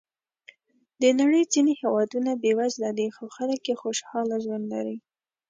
د نړۍ ځینې هېوادونه بېوزله دي، خو خلک یې خوشحاله ژوند لري.